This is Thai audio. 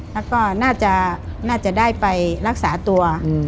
แล้วก็น่าจะได้ไปรักษาตัว